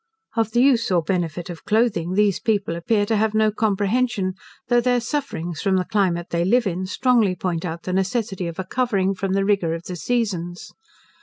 Of the use or benefit of cloathing, these people appear to have no comprehension, though their sufferings from the climate they live in, strongly point out the necessity of a covering from the rigour of the seasons.